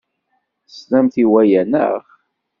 Teslamt i waya, naɣ?